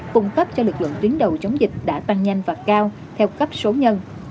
cung cấp cho lực lượng tuyến đầu chống dịch đã tăng nhanh và cao theo cấp số nhân